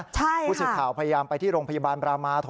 พูดถึงข่าวพยายามไปที่โรงพยาบาลรามาธิบดี